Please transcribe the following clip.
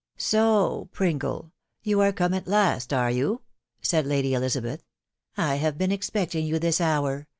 " Soh ! Pringle .... you are come at last, are you ? M said Lady Elizabeth ...." I have been expecting you this hour